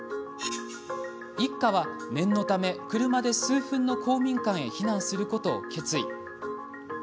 一家は念のため車で数分の公民館へ避難することを決意。